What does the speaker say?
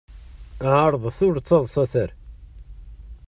Ɛeṛḍet ur d-ttaḍsat ara.